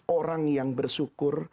orang yang bersyukur